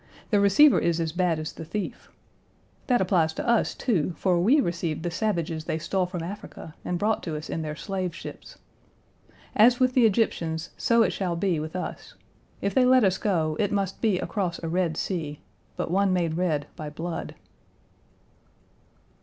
The receiver is as bad as the thief. That applies to us, too, for we received the savages they stole from Africa and brought to us in their slave ships. As with the Egyptians, so it shall be with us: if they let us go, it must be across a Red Sea but one made red by blood.